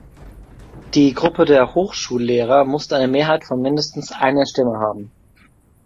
Die Gruppe der Hochschullehrer musste eine Mehrheit von mindestens einer Stimme haben.